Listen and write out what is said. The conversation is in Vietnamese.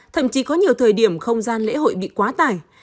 thậm chí có nhiều thời điểm không gian lễ hội bị quá tải